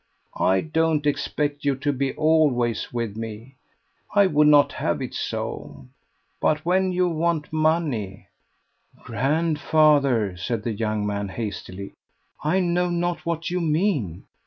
I don't expect you to be always with me; I would not have it so; but when you want money " "Grandfather," said the young man hastily, "I know not what you mean.